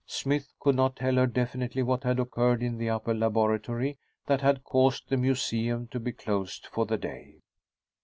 Smythe could not tell her definitely what had occurred in the upper laboratory that had caused the museum to be closed for the day.